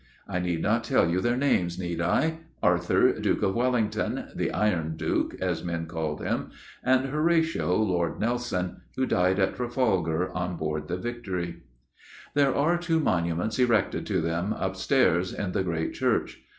I need not tell you their names, need I? Arthur, Duke of Wellington 'The Iron Duke,' as men called him and Horatio, Lord Nelson, who died at Trafalgar, on board the Victory. There are two monuments erected to them, upstairs, in the great church.